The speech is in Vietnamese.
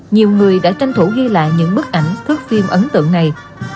nhiều người đã tranh thủ ghi lại những bức ảnh thước phim ấn tượng này